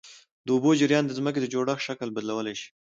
د اوبو جریان د ځمکې د جوړښت شکل بدلولی شي.